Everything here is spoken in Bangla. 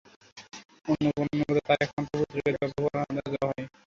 অন্য বর্ণনা মতে, তাঁর একমাত্র পুত্রকে যবেহ করার আদেশ দেয়া হয়।